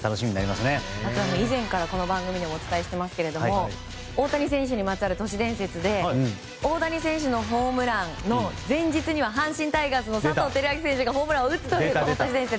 また以前からこの番組でもお伝えしていますが大谷選手にまつわる都市伝説で大谷選手のホームランの前日には阪神タイガースの佐藤輝明選手がホームランを打つという都市伝説。